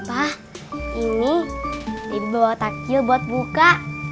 pak ini debbie bawa takjil buat buka